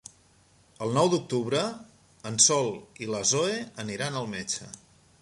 El nou d'octubre en Sol i na Zoè aniran al metge.